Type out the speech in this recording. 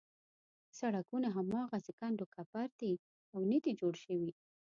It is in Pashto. سړکونه هماغسې کنډو کپر دي او نه دي جوړ شوي.